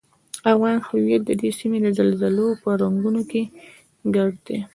افغان هویت ددې سیمې د زلزلو په رګونو کې ګډ دی.